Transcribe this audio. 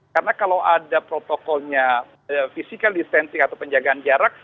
karena kalau ada protokolnya fisikal distancing atau penjagaan jarak